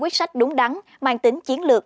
quyết sách đúng đắn mang tính chiến lược